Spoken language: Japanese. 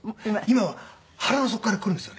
今は腹の底から来るんですよね。